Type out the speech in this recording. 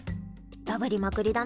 ダブりまくりだな。